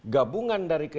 gabungan dan reaksi